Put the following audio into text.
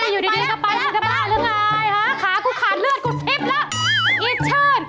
กูจะบ้านแล้วไงค้าข้าเลือดกูทิศแล้วอีกเชิญ